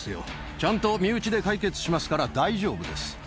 ちゃんと身内で解決しますから、大丈夫です。